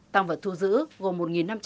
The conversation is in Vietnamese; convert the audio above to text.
tăng vật thu giữ gồm một năm trăm linh